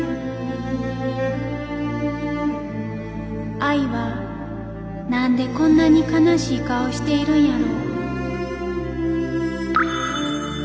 愛は何でこんなに悲しい顔しているんやろ。